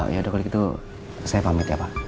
ya kalau begitu saya pamit ya pak